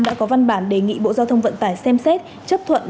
đã có văn bản đề nghị bộ giao thông vận tải xem xét chấp thuận